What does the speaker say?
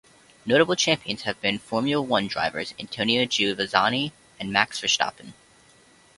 Notable champions have been Formula One drivers Antonio Giovinazzi and Max Verstappen.